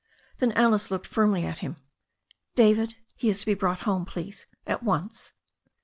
Then Alice looked firmly at him. "David, he is to be brought home, please, at once."